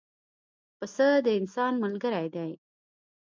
پسه د انسان ملګری دی.